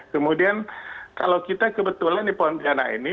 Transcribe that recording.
kemudian kalau kita kebetulan di pontianak ini